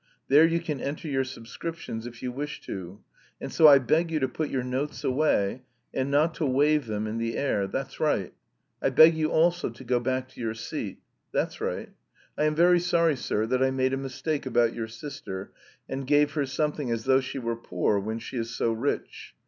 There you can enter your subscriptions if you wish to. And so I beg you to put your notes away and not to wave them in the air. That's right. I beg you also to go back to your seat. That's right. I am very sorry, sir, that I made a mistake about your sister, and gave her something as though she were poor when she is so rich.